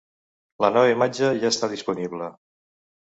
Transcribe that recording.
La nova imatge ja està disponible.